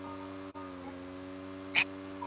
বসবাস বনে এবং এরা কিছুটা বিরল।